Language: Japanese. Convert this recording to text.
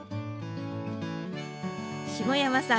下山さん